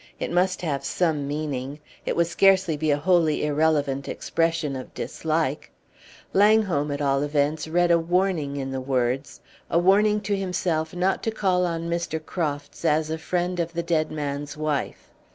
It must have some meaning. It would scarcely be a wholly irrelevant expression of dislike. Langholm, at all events, read a warning in the words a warning to himself not to call on Mr. Crofts as a friend of the dead man's wife.